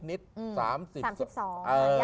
๓๒ยัง๓๓